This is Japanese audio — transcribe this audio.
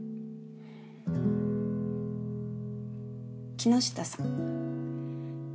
木下さん。